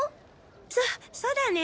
そそだね。